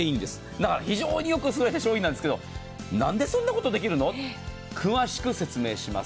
だから、非常によくできた商品なんですがなんでそんなことできるの？詳しく説明します